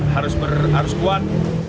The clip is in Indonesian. harus ber harus kuat